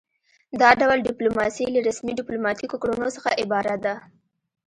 دا ډول ډیپلوماسي له رسمي ډیپلوماتیکو کړنو څخه عبارت ده